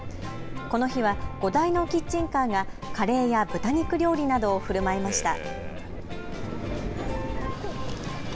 この日は５台のキッチンカーがカレーや豚肉料理などをふるまいました。